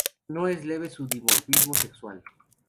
No es leve su dimorfismo sexual.